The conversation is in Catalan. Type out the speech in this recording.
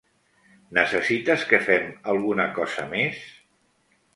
Necessites que fem alguna cosa més?